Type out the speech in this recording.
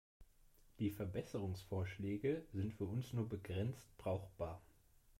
Die Verbesserungsvorschläge sind für uns nur begrenzt brauchbar.